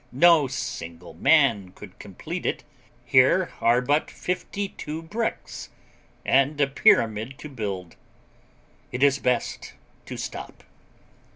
No single man could complete it. Here are but fifty two bricks and a pyramid to build. It is best to stop.